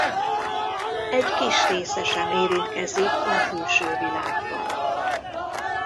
Egy kis része sem érintkezik a külső világgal.